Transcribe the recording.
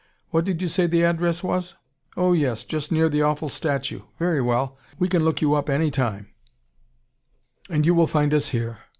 What did you say the address was? Oh, yes just near the awful statue. Very well. We can look you up any time and you will find us here.